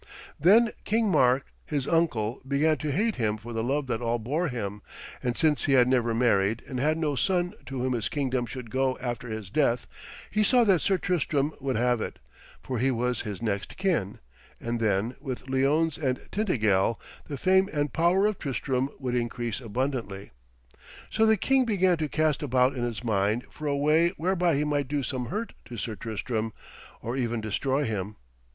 Then King Mark his uncle began to hate him for the love that all bore him, and since he had never married and had no son to whom his kingdom should go after his death, he saw that Sir Tristram would have it, for he was his next kin, and then, with Lyones and Tintagel, the fame and power of Tristram would increase abundantly. So the king began to cast about in his mind for a way whereby he might do some hurt to Sir Tristram, or even destroy him.